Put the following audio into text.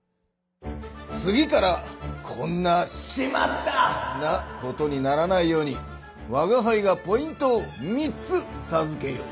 次からこんな「しまった！」なことにならないようにわがはいがポイントを３つさずけよう。